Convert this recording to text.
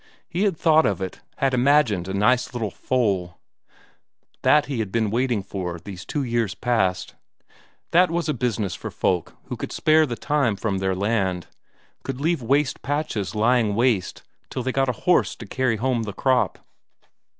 He had thought of it, had imagined a nice little foal that he had been waiting for these two years past. That was a business for folk who could spare the time from their land, could leave waste patches lying waste till they got a horse to carry home the crop.